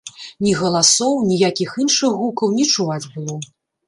Ні галасоў, ніякіх іншых гукаў не чуваць было.